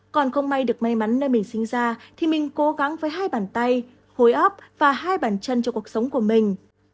còn không may được may mắn nơi mình sinh ra thì mình cố gắng với hai bàn tay hối ốc và hai bản chân cho cuộc sống của mình